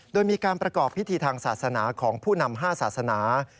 โดยมีการประกอบพิธีทางศาสนาของผู้นำ๕ศาสนา